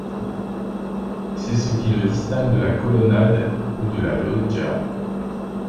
C'est ce qui le distingue de la colonnade ou de la loggia.